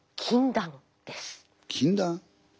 禁断？